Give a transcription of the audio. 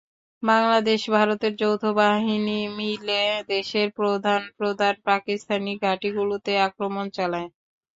বাংলাদেশ-ভারতের যৌথ বাহিনী মিলে দেশের প্রধান প্রধান পাকিস্তানি ঘাঁটিগুলোতে আক্রমণ চালায়।